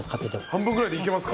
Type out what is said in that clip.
半分ぐらいできますか？